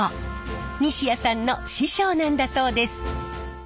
西谷さんの師匠なんだそうです。